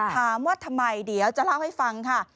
ถามว่าทำไมเดี๋ยวจะเล่าให้ฟังค่ะ